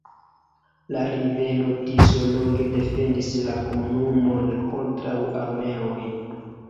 La rivero Tiso longe defendis la komunumon kontraŭ armeoj.